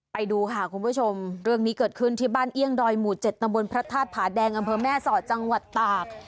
ไปดูค่ะคุณผู้ชมเรื่องนี้เกิดขึ้นที่บ้านเอี่ยงดอยหมู่๗ตำบลพระธาตุผาแดงอำเภอแม่สอดจังหวัดตาก